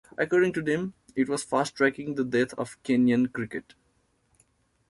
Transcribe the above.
According to them, it was fast-tracking the death of Kenyan cricket.